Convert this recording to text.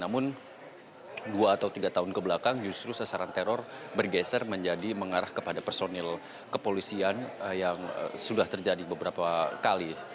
namun dua atau tiga tahun kebelakang justru sasaran teror bergeser menjadi mengarah kepada personil kepolisian yang sudah terjadi beberapa kali